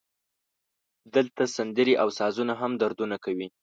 دلته سندرې او سازونه هم دردونه کوي